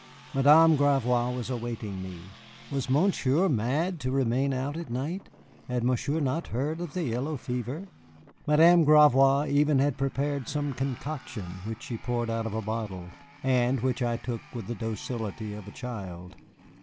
Madame Gravois was awaiting me. Was Monsieur mad to remain out at night? Had Monsieur not heard of the yellow fever? Madame Gravois even had prepared some concoction which she poured out of a bottle, and which I took with the docility of a child.